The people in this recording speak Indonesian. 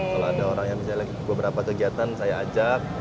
kalau ada orang yang misalnya beberapa kegiatan saya ajak